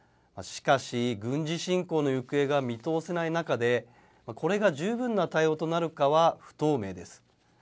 しかし、軍事侵攻の行方が見通せない中で、これが十分な対応となるかは不透明です。